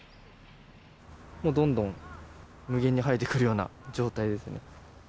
もうどんどん無限に生えてくるような状態ですね。